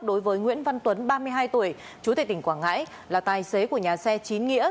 đối với nguyễn văn tuấn ba mươi hai tuổi chú tệ tỉnh quảng ngãi là tài xế của nhà xe chín nghĩa